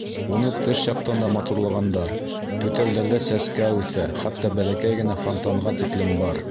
Уны тыш яҡтан да матурлағандар: түтәлдәрҙә сәскә үҫә, хатта бәләкәй генә фонтанға тиклем бар.